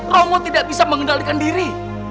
romo tidak bisa mengendalikan diri